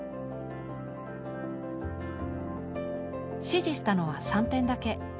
指示したのは３点だけ。